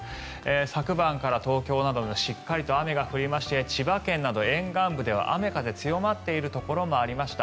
昨晩から東京などではしっかりと雨が降りまして千葉県など沿岸部では雨、風が強まっているところもありました。